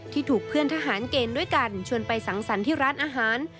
ถูกเพื่อนทหารเกณฑ์ด้วยกันชวนไปสังสรรค์ที่ร้านอาหาร